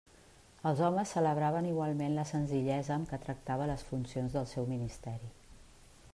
Els homes celebraven igualment la senzillesa amb què tractava les funcions del seu ministeri.